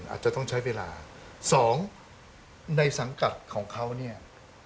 อาจจะต้องใช้เวลาสองในสังกัดของเขาเนี่ย